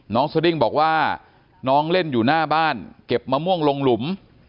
สดิ้งบอกว่าน้องเล่นอยู่หน้าบ้านเก็บมะม่วงลงหลุม